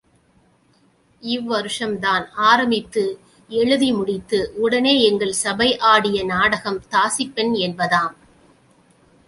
இவ்வருஷம் நான் ஆரம்பித்து எழுதி முடித்து, உடனே எங்கள் சபை ஆடிய நாடகம் தாசிப்பெண் என்பதாம்.